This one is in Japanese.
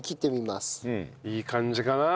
いい感じかな？